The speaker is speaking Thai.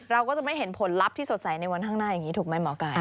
เราก็จะไม่เห็นผลลัพธ์ที่สดใสในวันข้างหน้าอย่างนี้ถูกไหมหมอไก่